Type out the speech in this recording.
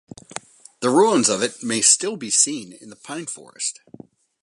The ruins of it may still be seen in the pine-forest.